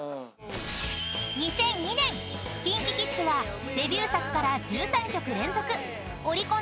［２００２年ＫｉｎＫｉＫｉｄｓはデビュー作から１３曲連続オリコン